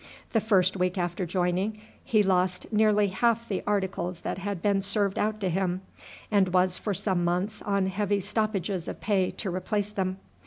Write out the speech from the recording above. The first week after joining he lost nearly half the articles that had been served out to him, and was for some months on heavy stoppages of pay to replace them.